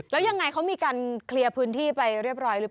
แล้วยังไงเขามีการเคลียร์พื้นที่ไปเรียบร้อยหรือเปล่า